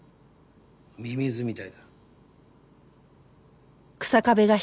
ミミズみたいだ。